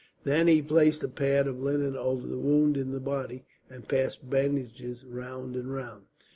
Then he placed a pad of linen over the wound in the body, and passed bandages round and round.